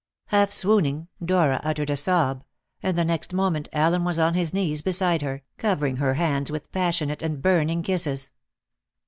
Half swooning, Dora uttered a sob, and the next moment Allen was on his knees beside her, covering her hands with passionate and burning kisses.